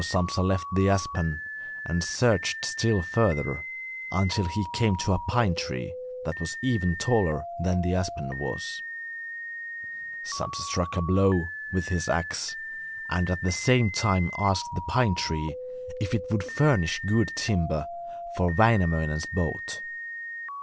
So Sampsa left the aspen and searched still further, until he came to a pine tree that was even taller than the aspen was. Sampsa struck a blow with his axe, and at the same time asked the pine tree if it would furnish good timber for Wainamoinen's boat.